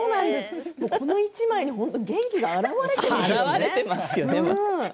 この１枚に元気があらわれていますね。